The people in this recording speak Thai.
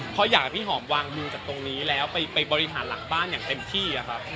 เพราะอยากให้พี่หอมวางมือจากตรงนี้แล้วไปบริหารหลังบ้านอย่างเต็มที่ครับ